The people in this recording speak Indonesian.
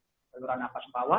dari seluruh nafas bawah